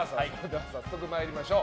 早速参りましょう。